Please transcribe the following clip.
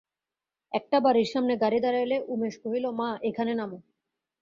একটা বাড়ির সামনে গাড়ি দাঁড়াইলে উমেশ কহিল, মা, এইখানে নামো।